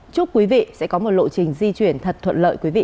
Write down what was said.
chúc quý vị sẽ có một lộ trình di chuyển thật thuận lợi